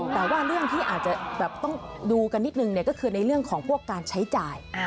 แต่ว่าเรื่องที่อาจจะแบบต้องดูกันนิดนึงก็คือในเรื่องของพวกการใช้จ่าย